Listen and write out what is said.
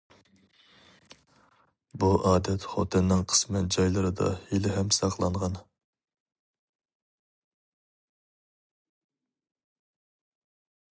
بۇ ئادەت خوتەننىڭ قىسمەن جايلىرىدا ھېلىھەم ساقلانغان.